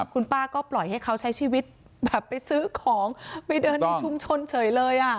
คุณป้าก็ปล่อยให้เขาใช้ชีวิตแบบไปซื้อของไปเดินในชุมชนเฉยเลย